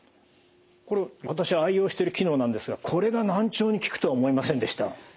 これ私愛用してる機能なんですがこれが難聴に効くとは思いませんでした。